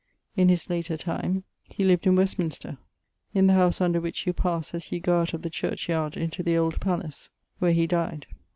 In his later time he lived in Westminster, in the house under which you passe as you goe out of the churchyard into the old palace; where he dyed.